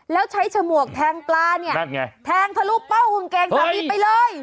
แล้วใช้ฉมวกแทงปลาเนี่ยนั่นไงแทงทะลุเป้ากางเกงสามีไปเลย